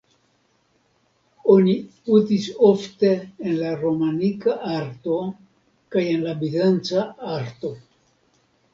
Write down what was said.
Oni uzis ofte en la romanika arto kaj en la bizanca arto.